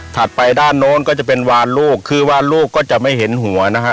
ไปด้านโน้นก็จะเป็นวานลูกคือวานลูกก็จะไม่เห็นหัวนะฮะ